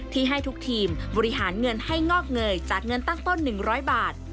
ที่ให้ทุกทีมบริหารเงินให้งอกเงยจากเงินตั้งต้น๑๐๐บาท